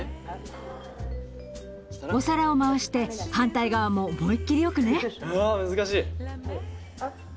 お皿を回して反対側も思い切りよくね。